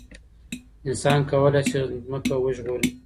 انسان کولای شي ځمکه وژغوري.